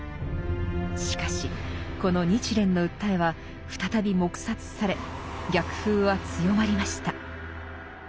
しかしこの日蓮の訴えは再び黙殺され逆風は強まりました。